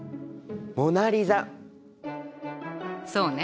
そうね。